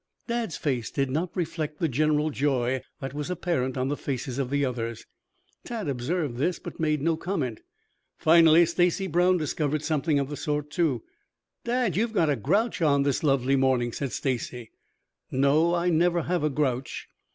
Dad's face did not reflect the general joy that was apparent on the faces of the others. Tad observed this, but made no comment. Finally Stacy Brown discovered something of the sort, too. "Dad, you've got a grouch on this lovely morning," said Stacy. "No, I never have a grouch."